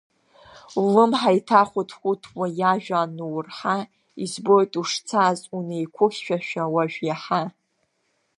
Улымҳа иҭахәыҭхәыҭуа иажәа ануурҳа, избоит ушцаз унеиқәыхьшәашәа уажә иаҳа.